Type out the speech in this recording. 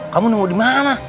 kamu nemu di mana